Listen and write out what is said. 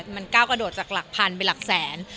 มันก้าวกระโดดจากหลักพันเป็นหลักแสน